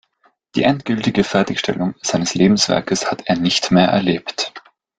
Die endgültige Fertigstellung seines Lebenswerkes hat er nicht mehr erlebt.